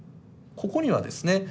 ここにはですね